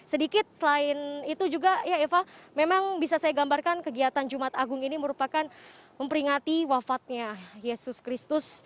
sedikit selain itu juga ya eva memang bisa saya gambarkan kegiatan jumat agung ini merupakan memperingati wafatnya yesus kristus